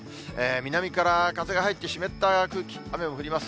南から風が入って、湿った空気、雨も降ります。